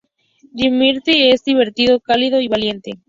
Dimitri es divertido, cálido y valiente.